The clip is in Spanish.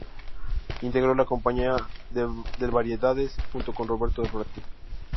Integró la "Compañía del Variedades" junto con Roberto Ratti.